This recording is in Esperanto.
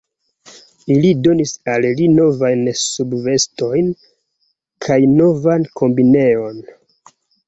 Ili donis al li novajn subvestojn kaj novan kombineon.